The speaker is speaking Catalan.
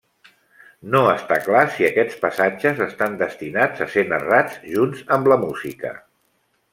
No està clar si aquests passatges estan destinats a ser narrats junts amb la música.